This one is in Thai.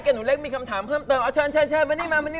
ขอโทษนะฮะใครว้างช่วยมาขุดต่อแถวนี้ที